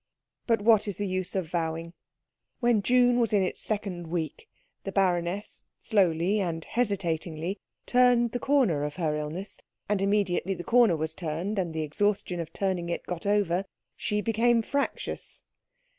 But what is the use of vowing? When June was in its second week the baroness slowly and hesitatingly turned the corner of her illness; and immediately the corner was turned and the exhaustion of turning it got over, she became fractious.